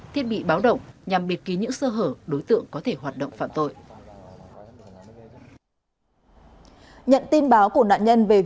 thiết bị báo động nhằm bảo vệ tài sản